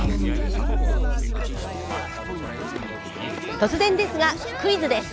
突然ですがクイズです。